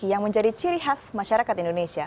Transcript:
yang menjadi ciri khas masyarakat indonesia